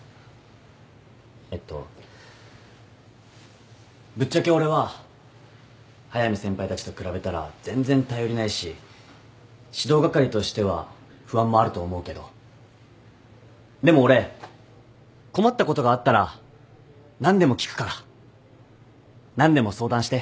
えっとぶっちゃけ俺は速見先輩たちと比べたら全然頼りないし指導係としては不安もあると思うけどでも俺困ったことがあったら何でも聞くから何でも相談して。